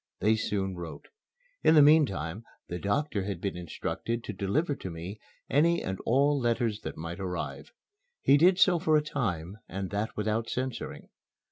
They soon wrote. In the meantime the doctor had been instructed to deliver to me any and all letters that might arrive. He did so for a time, and that without censoring.